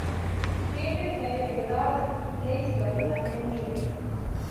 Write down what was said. Created by Gerard Glaister and N. J.